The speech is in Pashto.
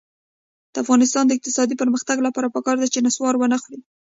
د افغانستان د اقتصادي پرمختګ لپاره پکار ده چې نصوار ونه خورئ.